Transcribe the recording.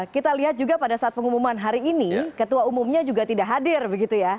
kita lihat juga pada saat pengumuman hari ini ketua umumnya juga tidak hadir begitu ya